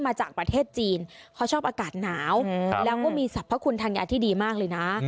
แล้วก็มีสรรพคุณธัญญาที่ดีมากเลยนะ